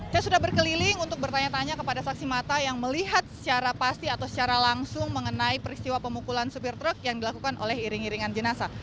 saya sudah berkeliling untuk bertanya tanya kepada saksi mata yang melihat secara pasti atau secara langsung mengenai peristiwa pemukulan supir truk yang dilakukan oleh iring iringan jenazah